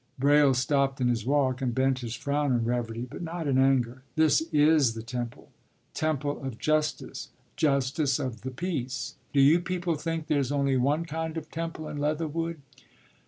” Braile stopped in his walk and bent his frown on Reverdy, but not in anger. “This is the Temple: Temple of Justice Justice of the Peace. Do you people think there's only one kind of temple in Leatherwood?